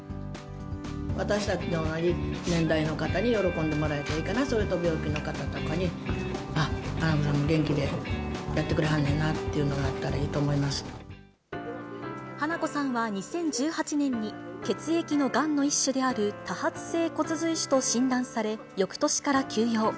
私たちと同じ年代の方に喜んでもらえたらいいかな、それと病気の方とかに、あっ、花子さんも元気でやってくれはんねんなっていうのがあったらいい花子さんは２０１８年に、血液のがんの一種である多発性骨髄腫と診断され、よくとしから休養。